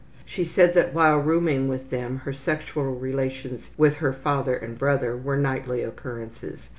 She said that while rooming with them her sexual relations with her father and brother were nightly occurrences.